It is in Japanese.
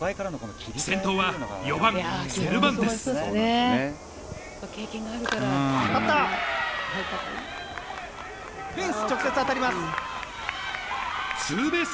先頭は４番、セルバンテス。